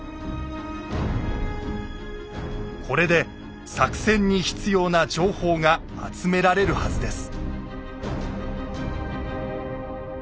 これで作戦に必要な情報が集められるはずです。